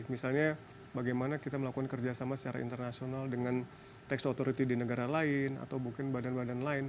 misalnya bagaimana kita melakukan kerjasama secara internasional dengan tax authority di negara lain atau mungkin badan badan lain